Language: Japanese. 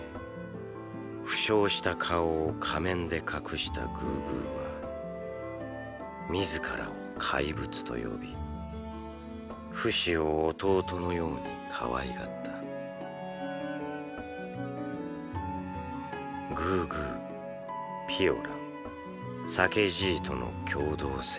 負傷した顔を仮面で隠したグーグーは自らを「怪物」と呼びフシを弟のように可愛がったグーグーピオラン酒爺との共同生活。